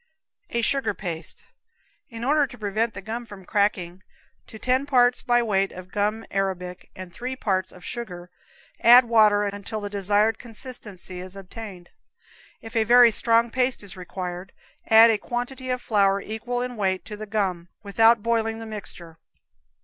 A Sugar Paste. In order to prevent the gum from cracking, to ten parts by weight of gum arabic and three parts of sugar add water until the desired consistency is obtained. If a very strong paste is required, add a quantity of flour equal in weight to the gum, without boiling the mixture.